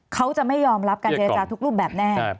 เขาจะไม่ยอมรับการเจรจาทุกรูปแบบแน่